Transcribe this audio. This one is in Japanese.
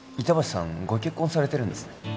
さんご結婚されてるんですね